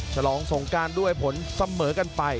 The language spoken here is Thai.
ฉลองสงการด้วยผลเสมอกันไป